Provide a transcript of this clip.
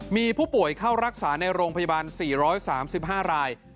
มีผู้ป่วยเข้ารักษาในโรงพยาบาล๔๓๕ราย